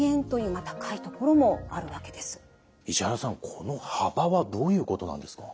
この幅はどういうことなんですか？